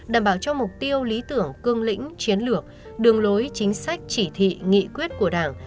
đảm bảo cho mục tiêu lý tưởng cương lĩnh chiến lược đường lối chính sách chỉ thị nghị quyết của đảng